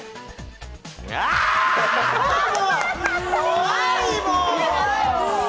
怖い、もう。